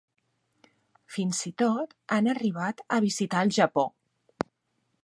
Fins i tot han arribat a visitar el Japó.